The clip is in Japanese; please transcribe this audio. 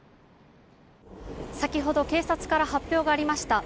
先ほど警察から発表がありました。